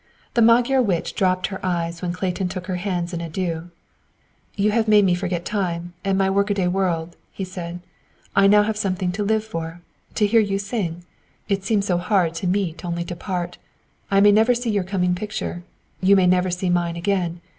The Magyar witch dropped her eyes when Clayton took her hands in adieu. "You have made me forget time, and my workaday world," he said. "I have now something to live for to hear you sing! It seems so hard to meet only to part. I may never see your coming picture; you may never see mine again.